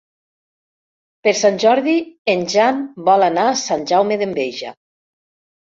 Per Sant Jordi en Jan vol anar a Sant Jaume d'Enveja.